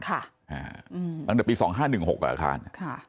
หลังจากปี๒๕๑๖อาคาร